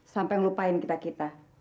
sampai ngelupain kita kita